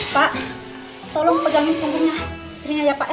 pak tolong pegangin tangannya istrinya ya pak ya